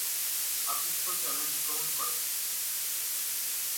Aditya challenge গ্রহণ করে।